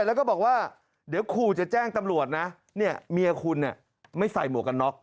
แล้วก็บอกว่าเดี๋ยวขู่จะแจ้งตำรวจนะเนี่ยเมียคุณเนี่ยไม่ใส่หมวกกันน็อก